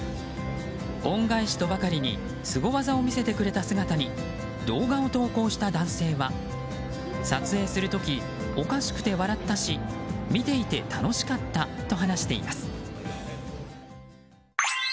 恩返しとばかりにスゴ技を見せてくれた姿に動画を投稿した男性は撮影する時おかしくて笑ったし見ていて楽しかったと話しています。